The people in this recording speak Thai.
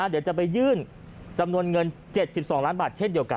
เดี๋ยวจะไปยื่นจำนวนเงิน๗๒ล้านบาทเช่นเดียวกัน